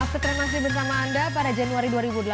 akses kremasi bersama anda pada januari dua ribu delapan belas